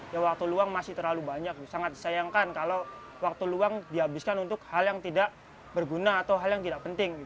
ya waktu luang masih terlalu banyak sangat disayangkan kalau waktu luang dihabiskan untuk hal yang tidak berguna atau hal yang tidak penting